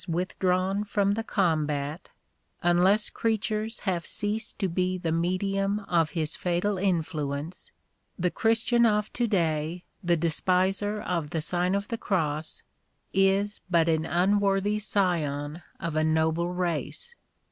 231 withdrawn from the combat; unless creatures have ceased to be the medium of his fatal influence, the Christian of to day, the despiser of the Sign of the Cross, is but an unworthy scion of a noble race.